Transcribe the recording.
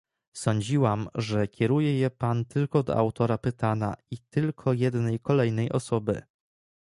Sądziłam, że kieruje je pan tylko do autora pytana i tylko jednej kolejnej osoby